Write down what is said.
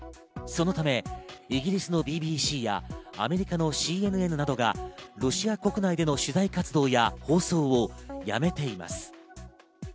そのため、イギリスのＢＢＣやアメリカのＣＮＮなどがロシア国内での取材活動や放送を止めています。